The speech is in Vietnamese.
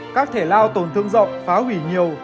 các thể lao tổn thương rộng phá hủy nhiều